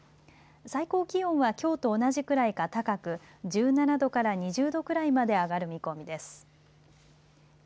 最高気温はきょうと同じくらいか高く、１７度から２０度くらいまで上がる見込みです。